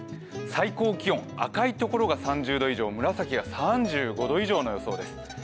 最高気温、赤いところが３０度以上紫が３５度以上の予想です。